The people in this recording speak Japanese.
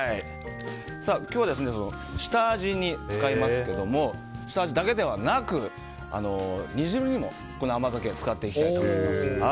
今日は下味に使いますけども下味だけではなく煮汁にもこの甘酒を使っていきたいと思います。